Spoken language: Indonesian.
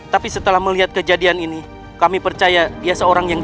tapi setelah melihat kejadian ini kami percaya dia seorang yang